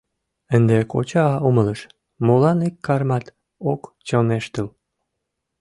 Ынде коча умылыш, молан ик кармат ок чоҥештыл.